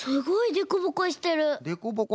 でこぼこ？